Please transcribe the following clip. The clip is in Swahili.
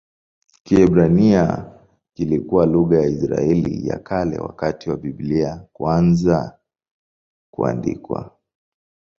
Kiebrania kilikuwa lugha ya Israeli ya Kale wakati wa Biblia kuanza kuandikwa.